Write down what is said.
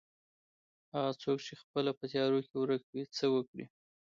هغه څوک چې پخپله په تيارو کې ورکه وي څه وکړي.